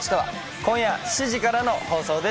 今夜７時からの放送です。